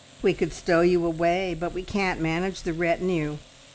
"We could stow you away, but we can't manage the retinue.